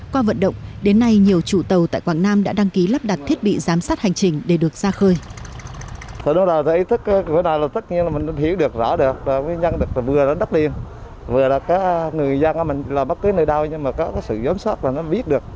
qua vận động đến nay nhiều chủ tàu tại quảng nam đã đăng ký lắp đặt thiết bị giám sát hành trình để được ra khơi